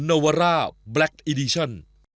สามารถรับชมได้ทุกวัย